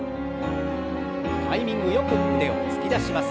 タイミングよく腕を突き出します。